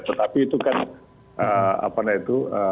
tetapi itu kan apa nah itu